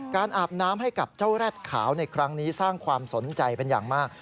อาบน้ำให้กับเจ้าแร็ดขาวในครั้งนี้สร้างความสนใจเป็นอย่างมาก